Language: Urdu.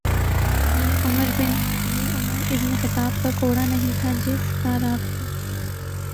یہ عمرؓ ابن خطاب کا کوڑا نہیں تھا جس کا رعب تھا۔